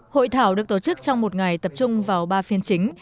hội thảo được tổ chức trong một ngày tập trung vào ba phiên chính